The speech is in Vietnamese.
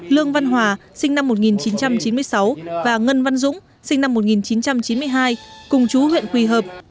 lương văn hòa sinh năm một nghìn chín trăm chín mươi sáu và ngân văn dũng sinh năm một nghìn chín trăm chín mươi hai cùng chú huyện quỳ hợp